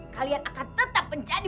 kalian akan tetap menjadi